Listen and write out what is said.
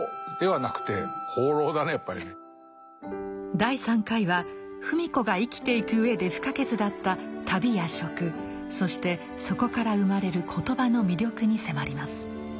第３回は芙美子が生きていく上で不可欠だった旅や食そしてそこから生まれる言葉の魅力に迫ります。